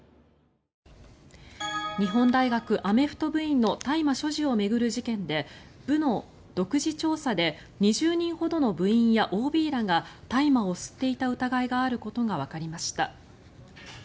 日本大学アメフト部員の大麻所持を巡る事件で部の独自調査で２０人ほどの部員やＯＢらが大麻を吸っていた疑いがあることがわかりました。